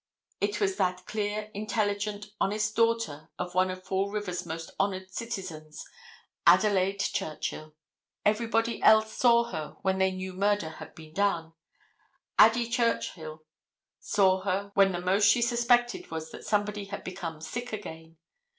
It was that clear, intelligent, honest daughter of one of Fall River's most honored citizens, Adelaide Churchill. Everybody else saw her when they knew murder had been done. Addie Churchill saw her when the most she suspected was that somebody had become sick again.